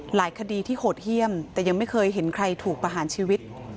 คดีที่โหดเยี่ยมแต่ยังไม่เคยเห็นใครถูกประหารชีวิต